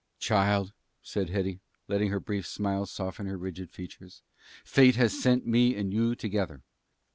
"Child," said Hetty, letting a brief smile soften her rigid features, "Fate has sent me and you together.